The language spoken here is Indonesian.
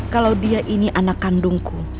kalau dia ini anak kandungku